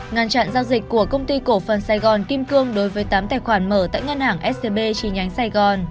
ngăn chặn giao dịch của công ty cổ phần sài gòn kim cương đối với tám tài khoản mở tại ngân hàng scb chi nhánh sài gòn